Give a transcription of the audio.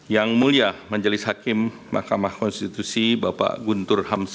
yang mulia majelis hakim mahkamah konstitusi bapak guntur hamzah